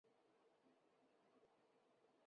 后累升至礼科都给事中。